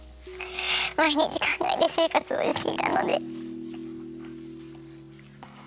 毎日考えて生活をしていたので。